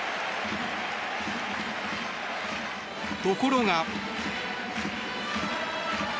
ところが。